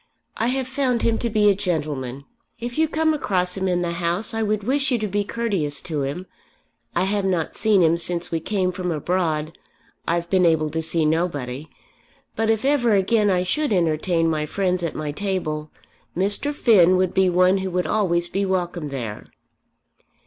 I have found him to be a gentleman. If you come across him in the House I would wish you to be courteous to him. I have not seen him since we came from abroad. I have been able to see nobody. But if ever again I should entertain my friends at my table, Mr. Finn would be one who would always be welcome there."